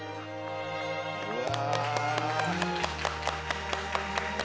うわ。